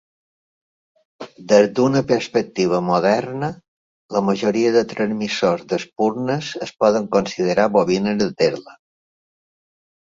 Des d'una perspectiva moderna, la majoria de transmissors d'espurnes es poden considerar bobines de Tesla.